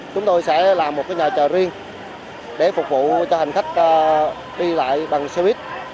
chúng tôi sẽ làm một nhà chờ riêng để phục vụ cho hành khách đi lại bằng xe buýt